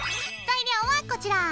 材料はこちら！